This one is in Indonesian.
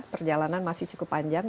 perjalanan masih cukup panjang